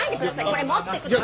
これ持ってください！